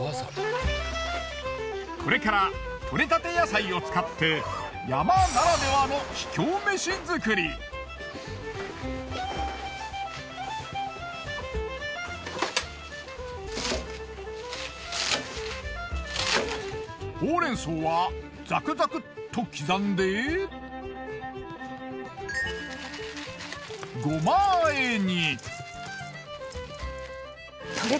これから採れたて野菜を使って山ならではのほうれん草はザクザクっと刻んで胡麻和えに。